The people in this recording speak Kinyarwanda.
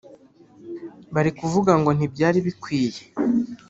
bari kuvuga ngo ntibyari bikwiye